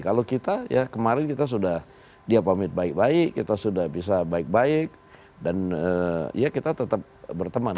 kalau kita ya kemarin kita sudah dia pamit baik baik kita sudah bisa baik baik dan ya kita tetap berteman